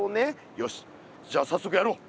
よしじゃさっそくやろう。